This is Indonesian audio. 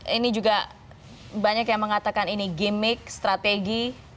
ini juga banyak yang mengatakan ini gimmick strategi